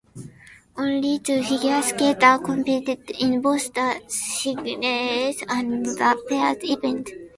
Only two figure skater competed in both the singles and the pairs event.